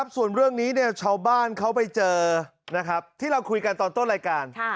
ส่วนเรื่องนี้ชาวบ้านเขาไปเจอที่เราคุยกันตอนต้นรายการ